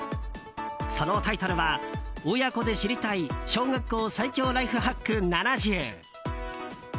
そのタイトルは「親子で知りたい小学校最強ライフハック７０」。